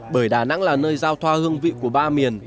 bởi đà nẵng là nơi giao thoa hương vị của ba miền